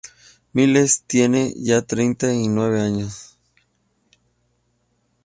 Miles tiene ya treinta y nueve años.